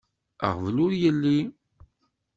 Aɣbel ur yelli.